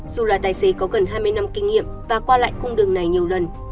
dù là tài xế có gần hai mươi năm kinh nghiệm và qua lại cung đường này nhiều lần